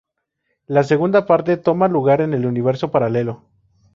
La segunda parte toma lugar en el universo paralelo.